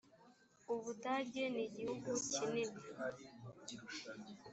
ubudage nigihugu kinini.